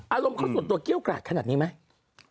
อารมณ์เขาส่วนตัวเกี้ยวกราดขนาดนี้ไหม